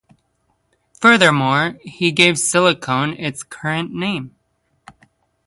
Furthermore, he gave silicon its current name.